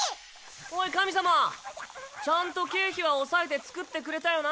おい神様ちゃんと経費は抑えて作ってくれたよな？